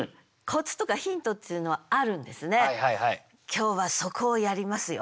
今日はそこをやりますよ。